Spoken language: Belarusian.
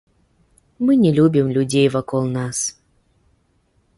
Мы не любім людзей вакол нас.